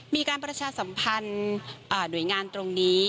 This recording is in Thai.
มีการประชาสัมพันธ์หน่วยงานตรงนี้